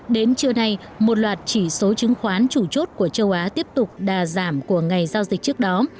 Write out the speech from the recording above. đến trưa nay một loạt chỉ số chứng khoán chủ chốt của châu á tiếp tục đà giảm của ngày giao dịch trước đó